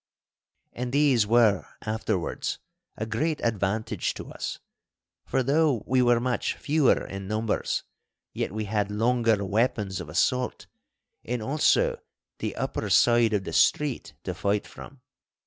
And these were afterwards a great advantage to us, for though we were much fewer in numbers, yet we had longer weapons of assault and also the upper side of the street to fight from.